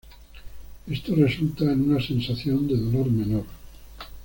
Esto resulta en una sensación de dolor menor.